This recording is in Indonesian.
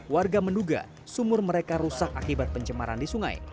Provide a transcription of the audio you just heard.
warga menduga sumur mereka rusak akibat pencemaran di sungai